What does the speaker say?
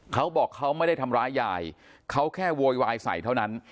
เขาบอกเขาไม่ได้ทำร้ายยายเขาแค่โวยวายใส่เท่านั้น